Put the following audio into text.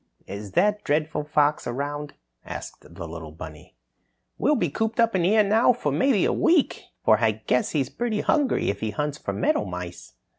"Is that dreadful fox around?" asked the little bunny. "We'll be cooped up here now for maybe a week, for I guess he's pretty hungry if he hunts for meadowmice."